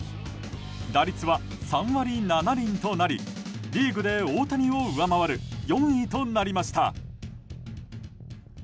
打率は３割７厘となりリーグで大谷を上回る４位となりました。